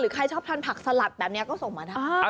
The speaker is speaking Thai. ใครชอบทานผักสลัดแบบนี้ก็ส่งมาได้